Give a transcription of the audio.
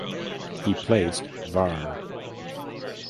He placed var.